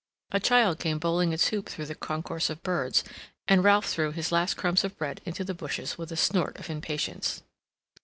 A child came bowling its hoop through the concourse of birds, and Ralph threw his last crumbs of bread into the bushes with a snort of impatience.